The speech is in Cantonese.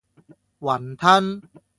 餛飩